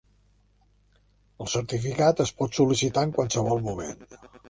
El certificat es pot sol·licitar en qualsevol moment.